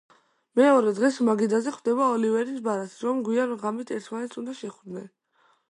მეორე დღეს მაგიდაზე ხვდება ოლივერის ბარათი, რომ გვიან ღამით ერთმანეთს უნდა შეხვდნენ.